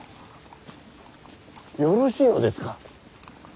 よろしいのですか。